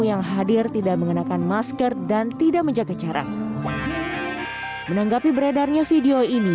yang hadir tidak mengenakan masker dan tidak menjaga jarak menanggapi beredarnya video ini